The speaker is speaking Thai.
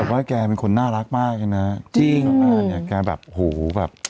ว่าแกเป็นคนน่ารักมากเลยนะจริงอ่าเนี่ยแกแบบหูแบบ